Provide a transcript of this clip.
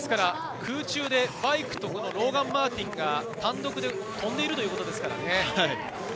空中でバイクとローガン・マーティンが単独で飛んでいるという技ですからね。